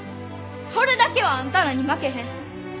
それだけはあんたらに負けへん。